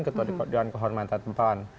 ketua departemen politik dpp pks